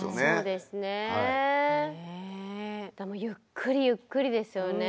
でもゆっくりゆっくりですよね。